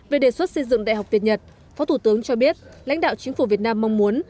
về đề xuất xây dựng đại học việt nhật phó thủ tướng cho biết lãnh đạo chính phủ việt nam mong muốn